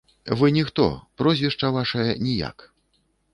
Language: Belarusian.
Вы ніхто, прозвішча вашае ніяк.